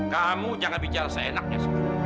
kamu jangan bicara seenaknya